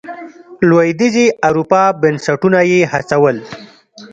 لوېدیځې اروپا بنسټونه یې هڅول.